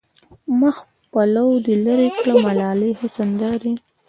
د مخ پلو دې لېري کړه ملالې حسن دارې